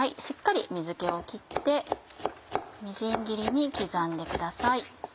しっかり水気を切ってみじん切りに刻んでください。